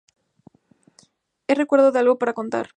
Es recuerdo de algo para contar.